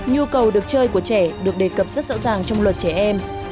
nhu cầu được chơi của trẻ được đề cập rất rõ ràng trong luật trẻ em